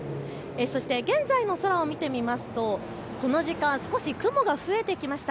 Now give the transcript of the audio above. そして現在の空を見てみますとこの時間、少し雲が増えてきました。